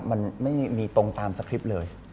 มันไม่มีตรงตามสคริปต์เลย